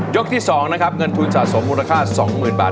ที่๒นะครับเงินทุนสะสมมูลค่า๒๐๐๐บาท